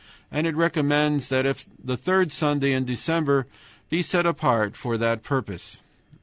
AND IT RECOMMENDS THAT THE THIRD SUNDAY IN DECEMBER BE SET APART FOR THAT PURPOSE.